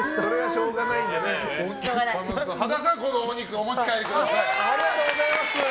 羽田さんはこのお肉をお持ち帰りください。